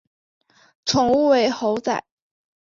宠物为猴仔。